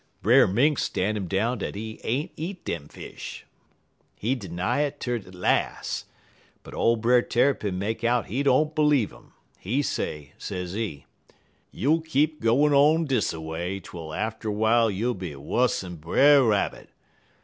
"Brer Mink stan' 'im down dat he ain't eat dem fish; he 'ny it ter de las', but ole Brer Tarrypin make out he don't b'leeve 'im. He say, sezee: "'You'll keep gwine on dis a way, twel atter w'ile you'll be wuss'n Brer Rabbit.